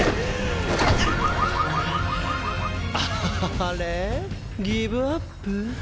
あれギブアップ？